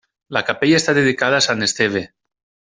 La capella està dedicada a Sant Esteve.